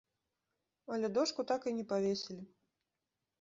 Але дошку так і не павесілі.